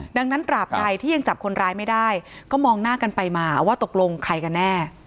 ดังนั้นตราบใดที่ยังจับคนร้ายไม่ได้ก็มองหน้ากันไปมาว่าตกลงใครกันแน่